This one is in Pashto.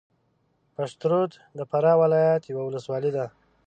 پشترود د فراه ولایت یوه ولسوالۍ ده